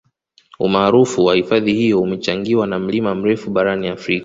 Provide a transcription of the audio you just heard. umaarufu wa hifadhi hiyo umechangiwa na mlima mrefu barani afrika